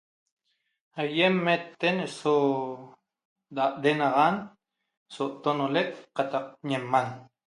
Ayem meten so denaxan so tonolec qataq ñeman